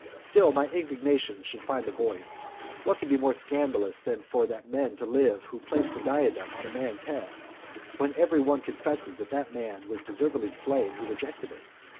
Still my indignation shall find a voice. What can be more scandalous than for that man to live who placed a diadem on a man's head, when every one confesses that that man was deservedly slain who rejected it?